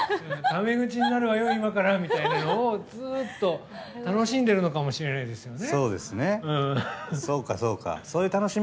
タメ口になるわよ、今からみたいなのをずっと、楽しんでるのかもしれないですよね。